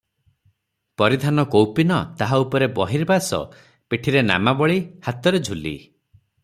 ପରିଧାନ କୌପୀନ; ତାହା ଉପରେ ବହିର୍ବାସ, ପିଠିରେ ନାମାବଳୀ, ହାତରେ ଝୁଲି ।